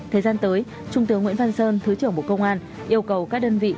thứ trưởng bộ công an yêu cầu các đơn vị